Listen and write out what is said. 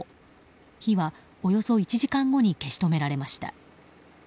火はおよそ１時間後に消し止められました。